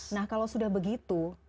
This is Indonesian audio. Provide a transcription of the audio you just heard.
nah kalau sudah begitu